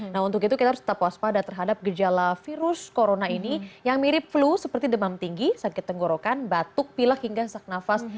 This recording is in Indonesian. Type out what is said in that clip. nah untuk itu kita harus tetap waspada terhadap gejala virus corona ini yang mirip flu seperti demam tinggi sakit tenggorokan batuk pilak hingga sesak nafas